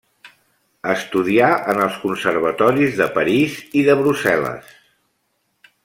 Estudià en els conservatoris de París i de Brussel·les.